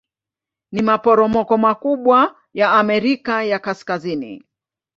Ni maporomoko makubwa ya Amerika ya Kaskazini.